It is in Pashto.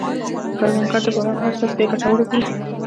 کروندګر د باران هره څاڅکه ګټوره بولي